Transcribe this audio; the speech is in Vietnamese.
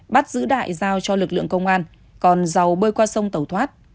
bắt giữ đại giao cho lực lượng công an còn dầu bơi qua sông tẩu thoát